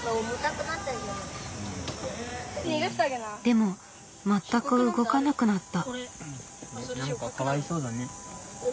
でも全く動かなくなった。